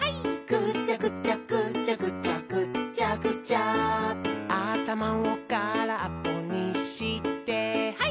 「ぐちゃぐちゃぐちゃぐちゃぐっちゃぐちゃ」「あたまをからっぽにしてハイ！」